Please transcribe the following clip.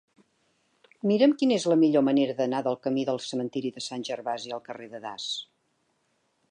Mira'm quina és la millor manera d'anar del camí del Cementiri de Sant Gervasi al carrer de Das.